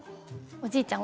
おじいちゃん